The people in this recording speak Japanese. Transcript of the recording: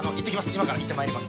今から行ってまいります！